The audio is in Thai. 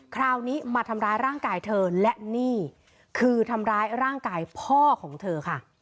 คราวนี้มาทำร้ายร่างกายเธอและนี่คือทำร้ายร่างกายพ่อของเธอค่ะ